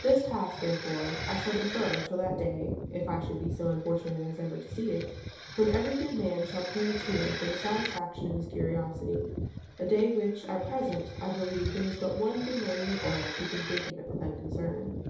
This task, therefore, I shall defer till that day (if I should be so unfortunate as ever to see it) when every good man shall pay a tear for the satisfaction of his curiosity; a day which, at present, I believe, there is but one good man in the world who can think of it with unconcern.